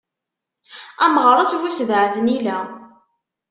A Meɣres bu sebɛa tnila.